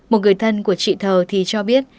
một người thân của chị thờ thì cho biết